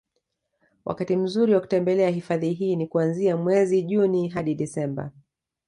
Wakati mzuri wa kutembelea hifadhi hii ni kuanzia mwezi Juni hadi Desemba